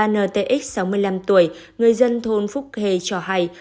ba n t x sáu mươi năm tuổi người dân thôn phúc hê cho hay